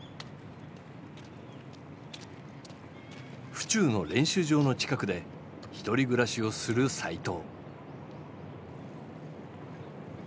府中の練習場の近くで１人暮らしをする齋藤。